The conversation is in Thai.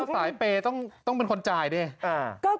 สายเปย์ต้องเป็นคนจ่ายดิ